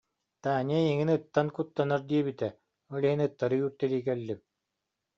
Таня эйигин ыттан куттанар диэбитэ, ол иһин ыттары үүртэлии кэллим